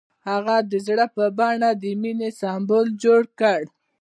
هغه د زړه په بڼه د مینې سمبول جوړ کړ.